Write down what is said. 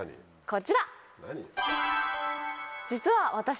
こちら。